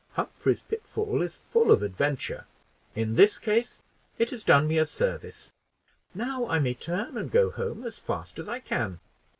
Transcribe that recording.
Humphrey's pitfall is full of adventure. In this case it has done me a service. Now I may turn and go home as fast as I can.